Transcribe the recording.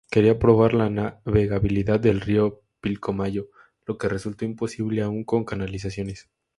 Quería probar la navegabilidad del río Pilcomayo, lo que resultó imposible, aún con canalizaciones.